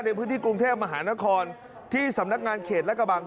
ในพื้นที่กรุงเทพมหานครที่สำนักงานเขตและกระบัง